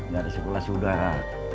gak ada sirkulasi udara